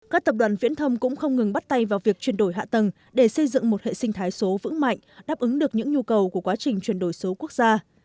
các tập đoàn viễn thông cũng không ngừng bắt tay vào việc chuyển đổi hạ tầng để xây dựng một hệ sinh thái số vững mạnh đáp ứng được những nhu cầu của quá trình chuyển đổi số quốc gia